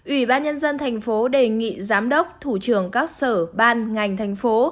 ủy ban nhân dân thành phố đề nghị giám đốc thủ trưởng các sở ban ngành thành phố